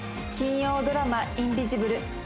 金曜ドラマ「インビジブル」